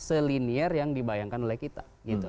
selinier yang dibayangkan oleh kita